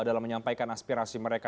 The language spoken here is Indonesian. dalam menyampaikan aspirasi mereka